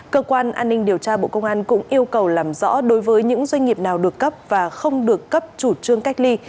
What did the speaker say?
cơ quan an ninh điều tra bộ công an cũng yêu cầu làm rõ đối với những doanh nghiệp nào được cấp và không được cấp chủ trương cách ly